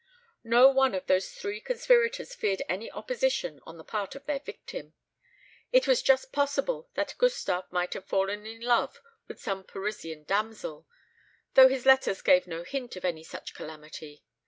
No one of those three conspirators feared any opposition on the part of their victim. It was just possible that Gustave might have fallen in love with some Parisian damsel, though his letters gave no hint of any such calamity.